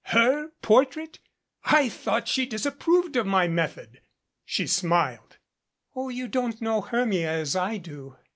"Her portrait! I thought she disapproved of my method." She smiled. "Oh, you don't know Hermia as I do.